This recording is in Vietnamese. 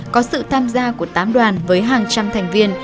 có sự tham gia của tám đoàn với hàng trăm thành viên